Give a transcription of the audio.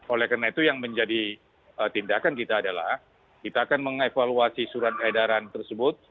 oleh karena itu yang menjadi tindakan kita adalah kita akan mengevaluasi surat edaran tersebut